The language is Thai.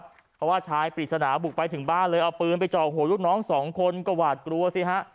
เพราะว่าชายปริศนาบุกไปถึงบ้านเลยเอาปืนไปเจาะหัวลูกน้องสองคนก็หวาดกลัวสิฮะ